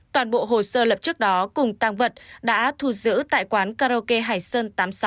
toàn bộ hồ sơ lập trước đó cùng tăng vật đã thu giữ tại quán karaoke hải sơn tám trăm sáu mươi